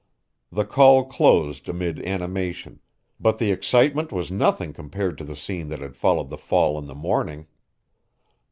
The call closed amid animation; but the excitement was nothing compared to the scene that had followed the fall in the morning.